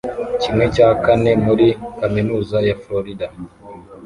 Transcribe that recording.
kimwe cya kane muri kaminuza ya Florida